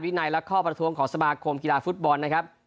ในและข้อประท้วงของสมาคมกีฬาฟุตบอลนะครับ